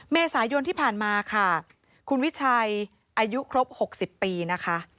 เมษายนที่ผ่านมาค่ะคุณวิชัยอายุครบ๖๐ปีนะคะ